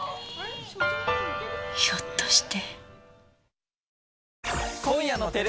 ひょっとして。